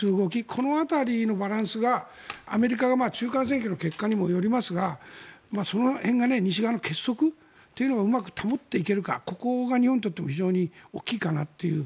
この辺りのバランスがアメリカが中間選挙の結果にもよりますがその辺が西側の結束というのをうまく保っていけるかここが日本にとっても非常に大きいかなという。